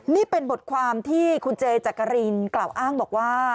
นี่เป็นบทความที่คุณเจจักรินกล่าวอ้างบอกว่า